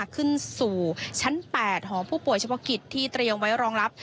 ขึ้นสู่ชั้น๘หอผู้ป่วยเฉพาะกิจที่เตรียมไว้รองรับ